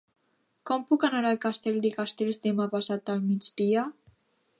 Com puc anar a Castell de Castells demà passat al migdia?